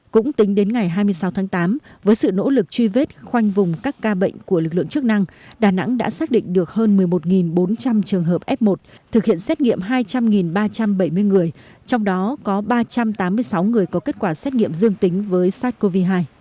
cũng tính đến ngày hai mươi sáu tháng tám với sự nỗ lực truy vết khoanh vùng các ca bệnh của lực lượng chức năng đà nẵng đã xác định được hơn một mươi một bốn trăm linh trường hợp f một thực hiện xét nghiệm hai trăm linh ba trăm bảy mươi người trong đó có ba trăm tám mươi sáu người có kết quả xét nghiệm dương tính với sars cov hai